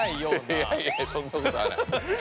いやいやそんなことはない。